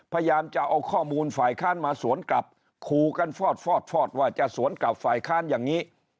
พยายามจะเอาข้อมูลฝ่ายค้านมาสวนกลับขู่กันฟอดฟอดฟอดว่าจะสวนกลับฝ่ายค้านอย่างนี้